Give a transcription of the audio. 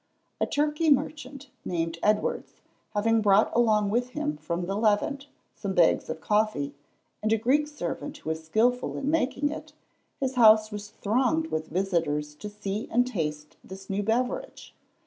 A Turkey merchant named Edwards, having brought along with him from the Levant, some bags of coffee, and a Greek servant who was skilful in making it, his house was thronged with visitors to see and taste this new beverage.